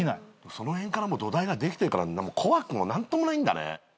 その辺から土台ができてるから怖くも何ともないんだね。